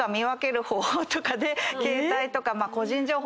携帯とか。